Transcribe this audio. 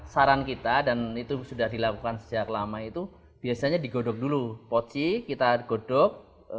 saran kita adalah biasanya digodok poci dengan teh